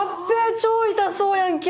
超痛そうやんけ！